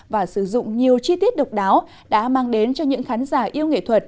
và sử dụng nhiều chi tiết độc đáo đã mang đến cho những khán giả yêu nghệ thuật